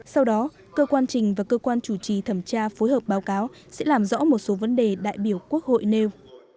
sau đó cơ quan trình và cơ quan chủ trì thẩm tra phối hợp báo cáo sẽ làm rõ một số vấn đề đại biểu quốc hội nêu